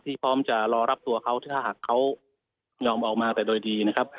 พร้อมจะรอรับตัวเขาถ้าหากเขายอมออกมาแต่โดยดีนะครับ